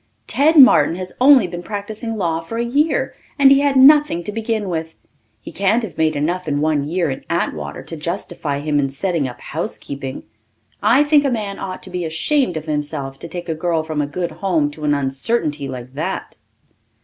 "Ted Martin has only been practising law for a year, and he had nothing to begin with. He can't have made enough in one year in Atwater to justify him in setting up housekeeping. I think a man ought to be ashamed of himself to take a girl from a good home to an uncertainty like that."